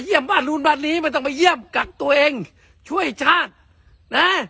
บ้านนู้นบ้านนี้ไม่ต้องไปเยี่ยมกักตัวเองช่วยชาตินะ